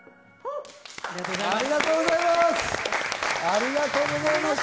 ありがとうございます。